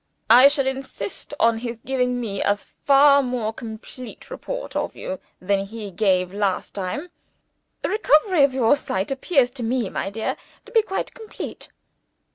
"I shall insist on his giving me a far more complete report of you than he gave last time. The recovery of your sight appears to me, my dear, to be quite complete."